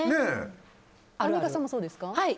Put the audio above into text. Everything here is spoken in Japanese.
アンミカさんもそうですか？